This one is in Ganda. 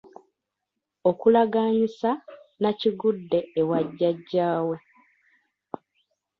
Okulagaanyisa Nnakigudde ewa Jjajjaawe.